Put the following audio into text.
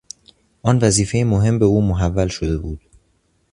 آن وظیفه مهم به او محول شده بود